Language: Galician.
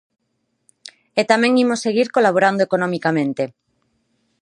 E tamén imos seguir colaborando economicamente.